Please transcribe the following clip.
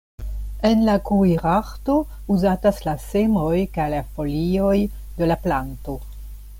En la kuirarto uzatas la semoj kaj la folioj de la planto.